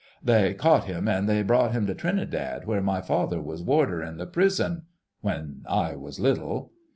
They caught him an' they brought him to Trinidad where my father was warder in the prison ... when I was little...."